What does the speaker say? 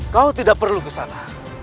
kau tidak perlu ke sana